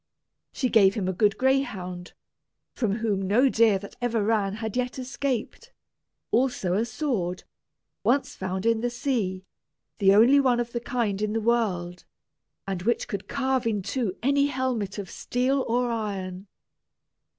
She gave him a good greyhound, from whom no deer that ever ran had yet escaped also a sword, once found in the sea, the only one of the kind in the world, and which could carve in two any helmet of steel or iron.